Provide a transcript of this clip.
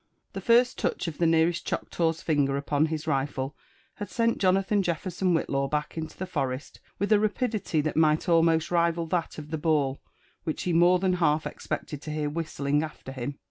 The first touch of the nearest Choctaw's finger upon his rifle had gent Jonathan Jefferson Whillaw back into the forest with a rapidity that might almost rival that of the ball which he more than half ex pected to hear whistling after him.